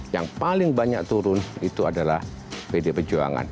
yang paling banyak turun itu adalah pdi perjuangan